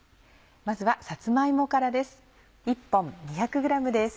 まずはさつま芋からです。